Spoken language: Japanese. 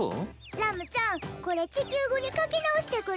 ラムちゃんこれ地球語に書き直してくれへん？